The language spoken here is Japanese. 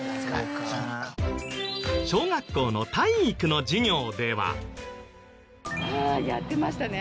小学校の体育の授業では。